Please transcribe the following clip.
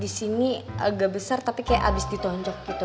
di sini agak besar tapi kayak abis ditoncok gitu